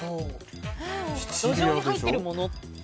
土壌に入っているもの？